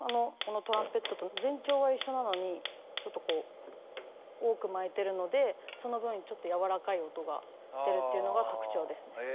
このトランペットと全長は一緒なのにちょっとこう多く巻いてるのでその分ちょっとやわらかい音が出るっていうのが特徴ですね。